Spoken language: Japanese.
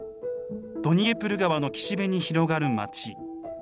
ドニエプル川の岸辺に広がる街。